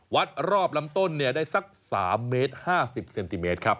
วัดรอบลำต้นได้สัก๓เมตร๕๐เซนติเมตรครับ